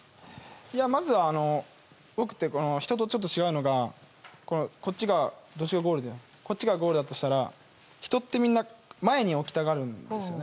まず、僕って人とちょっと違うのがこっちがゴールだとしたら人って、みんな前に置きたがるんですよね。